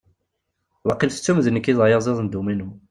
Wakil tettum d nekk i d ayaziḍ n dduminu.